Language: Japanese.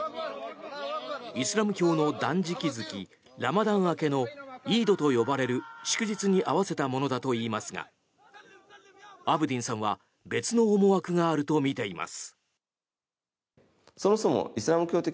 イスラム教の断食月ラマダン明けのイードと呼ばれる祝日に合わせたものだといいますがアブディンさんは別の思惑があるとみています。